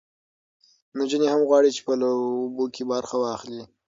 نجونې هم غواړي چې په لوبو کې برخه واخلي.